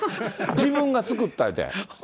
自分が作った言うて。